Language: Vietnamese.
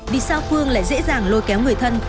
vì sao phương lại dễ dàng lôi kéo người thân